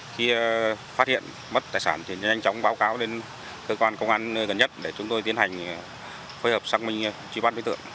khi phát hiện mất tài sản thì nhanh chóng báo cáo đến cơ quan công an gần nhất để chúng tôi tiến hành phối hợp xác minh truy bắt đối tượng